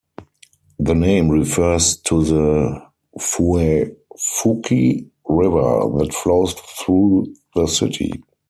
The name refers to the Fuefuki River that flows through the city.